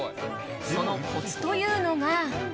そのコツというのが。